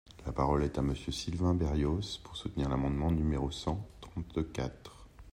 La parole est à Monsieur Sylvain Berrios, pour soutenir l’amendement numéro cent trente-quatre.